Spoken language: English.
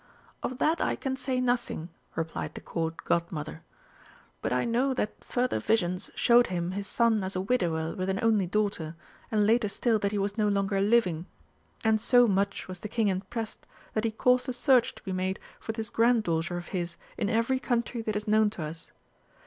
"Of that I can say nothing," replied the Court Godmother; "but I know that further visions showed him his son as a widower with an only daughter, and later still that he was no longer living. And so much was the King impressed that he caused a search to be made for this grand daughter of his in every country that is known to us.